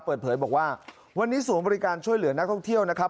เปิดเผยบอกว่าวันนี้ศูนย์บริการช่วยเหลือนักท่องเที่ยวนะครับ